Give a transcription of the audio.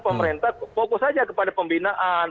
pemerintah fokus saja kepada pembinaan